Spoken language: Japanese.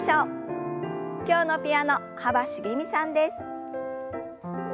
今日のピアノ幅しげみさんです。